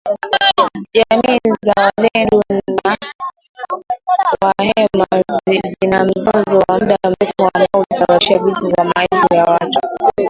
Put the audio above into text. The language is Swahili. Jamii za walendu na wahema zina mzozo wa muda mrefu ambao ulisababisha vifo vya maelfu ya watu